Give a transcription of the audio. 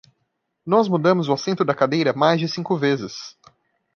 Nós mudamos o assento da cadeira mais de cinco vezes.